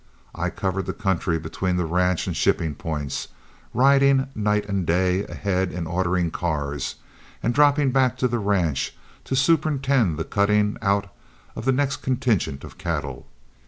I covered the country between the ranch and shipping points, riding night and day ahead in ordering cars, and dropping back to the ranch to superintend the cutting out of the next consignment of cattle.